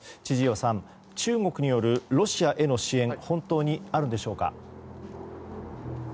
千々岩さん、中国によるロシアへの支援は本当にあるんでしょうか。